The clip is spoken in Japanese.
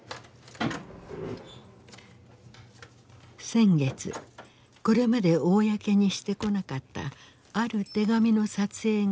先月これまで公にしてこなかったある手紙の撮影が私たちに許された。